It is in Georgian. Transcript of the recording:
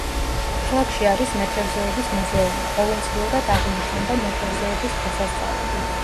ქალაქში არის მეთევზეობის მუზეუმი, ყოველწლიურად აღინიშნება მეთევზეების დღესასწაული.